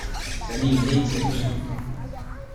Sami yella yettergigi.